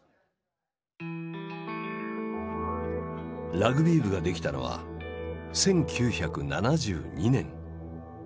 ラグビー部ができたのは１９７２年。